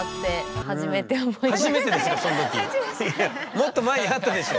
もっと前にあったでしょ。